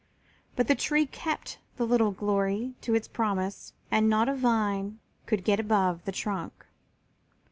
But the tree kept the little Glory to its promise and not a vine could get above the trunk.